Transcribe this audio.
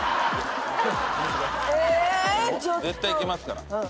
絶対いけますから。